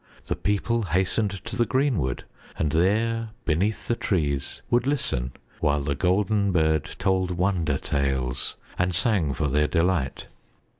The people hastened to the greenwood and there beneath the trees would listen while The Golden Bird told wonder tales and sang for their delight.